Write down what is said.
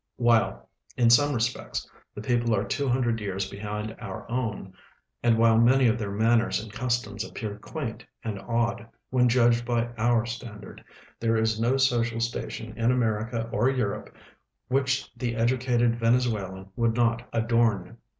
While in some res})ccts the people are two hundred years behind our own, and while many of their manners and customs appear quaint and odd Avhen judged by our standard, there is no social station in America or Plurope which the educated Venezuelan Avould not adorn.